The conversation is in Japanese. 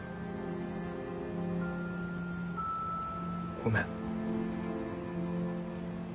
ごめん。